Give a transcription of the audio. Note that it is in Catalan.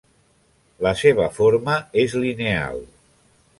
La seva forma és lineal.